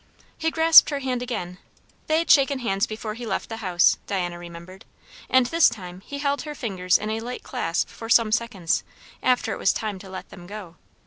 He grasped her hand again; they had shaken hands before he left the house, Diana remembered; and this time he held her fingers in a light clasp for some seconds after it was time to let them go.